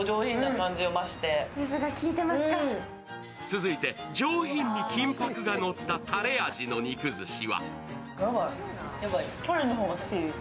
続いて上品に金ぱくがのったたれ味の肉寿司。